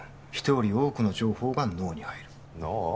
人より多くの情報が脳に入る脳？